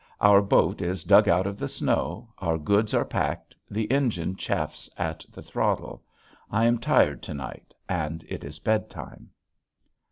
Our boat is dug out of the snow, our goods are packed, the engine chafes at the throttle. I am tired to night and it is bedtime.